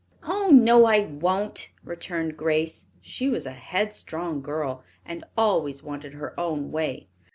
"Oh, no, I won't," returned Grace. She was a headstrong girl and always wanted her own way.